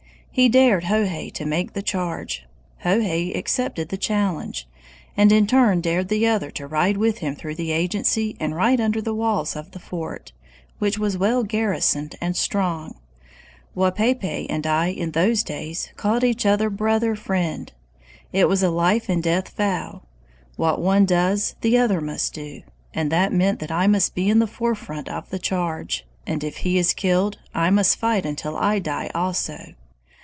He dared Hohay to make the charge. Hohay accepted the challenge, and in turn dared the other to ride with him through the agency and right under the walls of the fort, which was well garrisoned and strong. "Wapaypay and I in those days called each other 'brother friend.' It was a life and death vow. What one does the other must do; and that meant that I must be in the forefront of the charge, and if he is killed, I must fight until I die also!